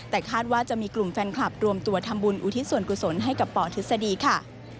แต่คาดว่าจะมีกลุ่มแฟนคลับรวมตัวทำบุญอุทิศส่วนกุศลให้กับปทฤษฎีค่ะ